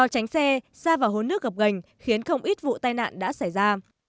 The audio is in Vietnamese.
các xe ra vào hồ nước gập ngành khiến không ít vụ tai nạn đã xảy ra